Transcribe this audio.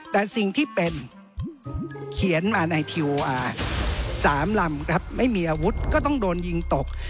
แต่สิ่งที่เป็นเขียนมาในทีโออาร์๓ลำครับไม่มีอาวุธก็ต้องโดนยิงตก